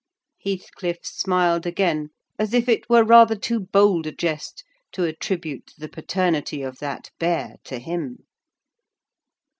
Heathcliff smiled again, as if it were rather too bold a jest to attribute the paternity of that bear to him.